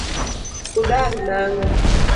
Udar nang'o?